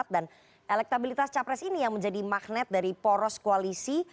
dan elektabilitas capres ini yang menjadi magnet dari poros koalisi